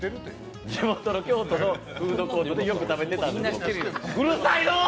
地元の京都のフードコートでよく食べてたんです。